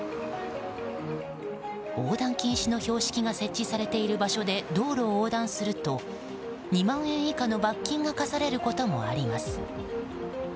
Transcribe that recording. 横断禁止の標識が設置されている場所で道路を横断すると２万円以下の罰金が科されることもあります。